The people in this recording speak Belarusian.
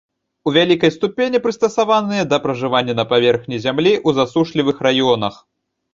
У вялікай ступені прыстасаваныя да пражывання на паверхні зямлі ў засушлівых раёнах.